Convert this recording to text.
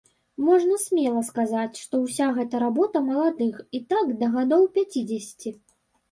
Можна смела сказаць, што ўся гэта работа маладых і так да гадоў пяцідзесяці.